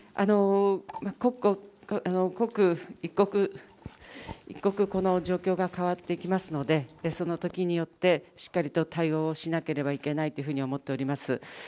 刻一刻、この状況が変わっていきますので、その時によってしっかりと対応をしなければいけないというふうに思っております。